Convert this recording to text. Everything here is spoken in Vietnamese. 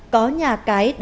có nhà cái